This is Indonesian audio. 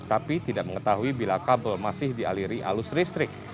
tapi tidak mengetahui bila kabel masih dialiri alus listrik